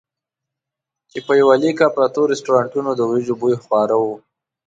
چې په یوه لیکه پرتو رستورانتونو د وریجو بوی خواره وو.